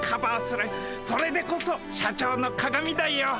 それでこそ社長の鑑だよ。